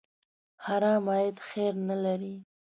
حرام عاید خیر نه لري.